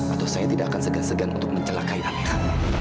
atau saya tidak akan segan segan untuk mencelakai anak